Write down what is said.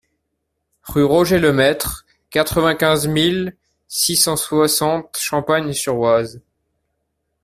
Rue Roger Lemaître, quatre-vingt-quinze mille six cent soixante Champagne-sur-Oise